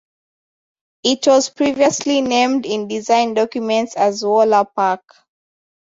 It was previously named in design documents as "Wola Park".